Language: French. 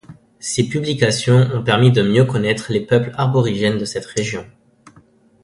Ses publications ont permis de mieux connaître les peuples aborigènes de cette région.